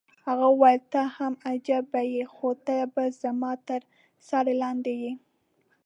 هغې وویل: ته هم عجبه يې، خو ته به زما تر څار لاندې یې.